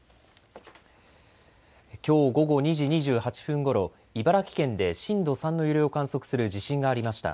きょう午後２時２８分ごろ、茨城県で震度３の揺れを観測する地震がありました。